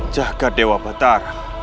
jaga dewa batara